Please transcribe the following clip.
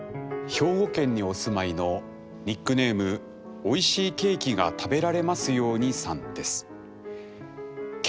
兵庫県にお住まいのニックネームおいしいケーキが食べられますようにさんです。